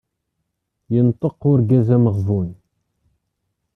Yenṭeq urgaz ameɣbun.